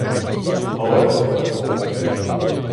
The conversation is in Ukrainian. Але воно так буває.